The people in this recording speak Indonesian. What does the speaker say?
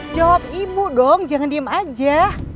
jawab ibu dong jangan diem aja